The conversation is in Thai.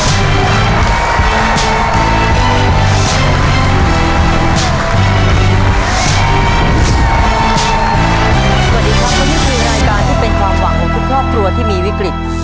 สวัสดีครับและนี่คือรายการที่เป็นความหวังของทุกครอบครัวที่มีวิกฤต